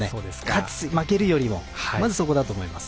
勝つ負けるよりもまずそこだと思います。